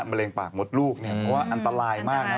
เร็งปากมดลูกเนี่ยเพราะว่าอันตรายมากนะ